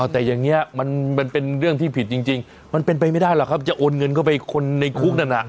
แต่อย่างนี้มันเป็นเรื่องที่ผิดจริงมันเป็นไปไม่ได้หรอกครับจะโอนเงินเข้าไปคนในคุกนั่นน่ะ